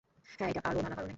হ্যাঁ, এটা আর আরো নানা কারণে।